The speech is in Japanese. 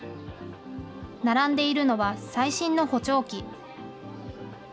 並んでいるのは最新の補聴器。